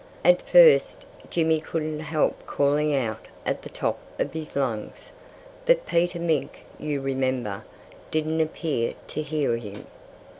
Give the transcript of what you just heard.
At first, Jimmy couldn't help calling out at the top of his lungs. But Peter Mink, you remember, didn't appear to hear him.